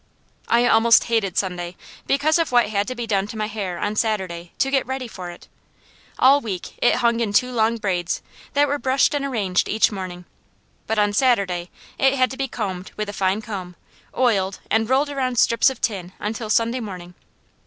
I almost hated Sunday, because of what had to be done to my hair on Saturday, to get ready for it. All week it hung in two long braids that were brushed and arranged each morning. But on Saturday it had to be combed with a fine comb, oiled and rolled around strips of tin until Sunday morning.